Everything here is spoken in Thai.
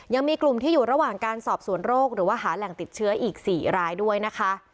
ยังมีกลุ่มที่อยู่ระหว่างการสอบสวนโรคหรือว่าหาแหล่งติดเชื้ออีก๔รายด้วยนะคะ